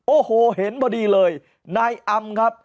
โอ้โหเห็นพอดีเลยนายอำครับ